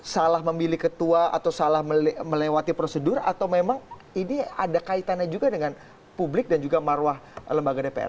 salah memilih ketua atau salah melewati prosedur atau memang ini ada kaitannya juga dengan publik dan juga marwah lembaga dpr